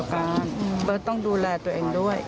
สภาพจิตใจเขา